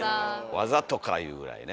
わざとかいうぐらいね。